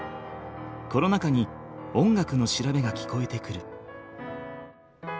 コロナ禍に音楽の調べが聞こえてくる。